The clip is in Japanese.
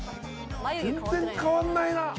全然変わんないな。